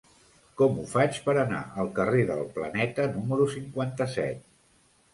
Com ho faig per anar al carrer del Planeta número cinquanta-set?